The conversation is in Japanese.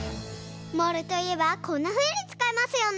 モールといえばこんなふうにつかいますよね。